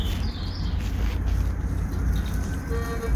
La Bazoche-Gouet